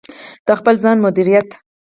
د خپل ځان مدیریت: